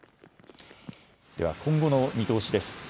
では今後の見通しです。